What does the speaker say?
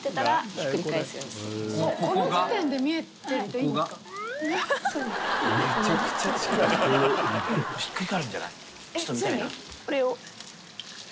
ひっくり返るんじゃない？これを。